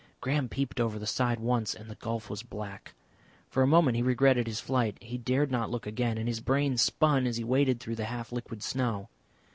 Graham peeped over the side once and the gulf was black. For a moment he regretted his flight. He dared not look again, and his brain spun as he waded through the half liquid snow.